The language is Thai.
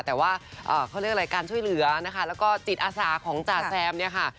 แต่ว่าเขาเรียกอะไรการช่วยเหลือนะคะแล้วก็จิตอาสาของจ่าแซมเนี่ยค่ะ